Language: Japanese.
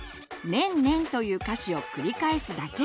「ねんねん」という歌詞を繰り返すだけ！